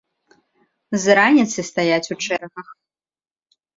З раніцы стаяць у чэргах!